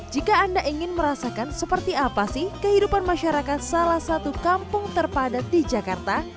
jika anda ingin merasakan seperti apa sih kehidupan masyarakat salah satu kampung terpadat di jakarta